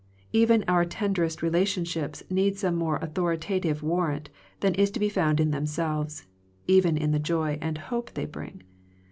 Even our tenderest relation ships need some more authoritative war rant than is to be found in themselves, even in the joy and hope they bring.